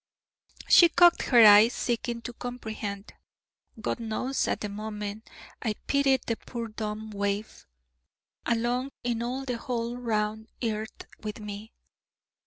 She cocked her eyes, seeking to comprehend. God knows, at that moment I pitied the poor dumb waif, alone in all the whole round earth with me.